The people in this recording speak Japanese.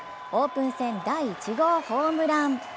オープン戦第１号ホームラン。